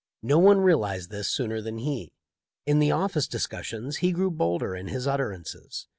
No one realized this sooner than he. In the office discussions he grew bolder in his utterances.